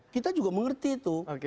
kita juga mengerti itu